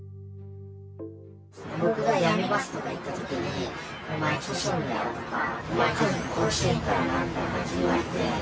僕がやめますとか言ったときに、お前調子乗んなよとか、お前、家族殺しに行くからなみたいな感じで言われて。